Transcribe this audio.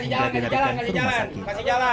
hingga dinarikkan ke rumah sakit